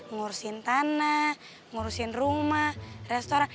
ngurusin tanah ngurusin rumah restoran